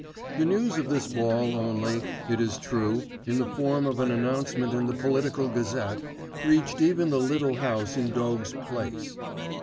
The news of this ball, only, it is true, in the form of an announcement in the Political Gazette, reached even the little house in Dogs' Place.